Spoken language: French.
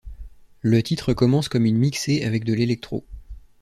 Le titre commence comme une mixée avec de l'electro.